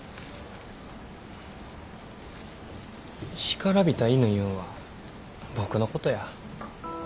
干からびた犬いうんは僕のことや。